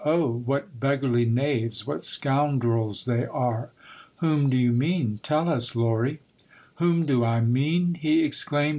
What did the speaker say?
" Oh, what beggarly knaves, what scoundrels they are !"" Whom do you mean, tell us, Lory?" 54 Monday Tales, "Whom do I mean?" he exclaimed.